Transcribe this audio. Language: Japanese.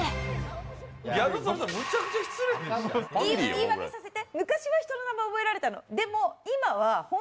言い訳させて。